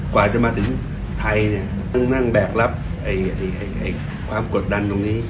กว่าจะมาถึงไทยเนี่ยต้องนั่งแบกรับความกดดันตรงนี้